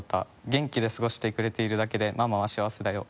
「元気で過ごしてくれているだけでママはしあわせだよ。」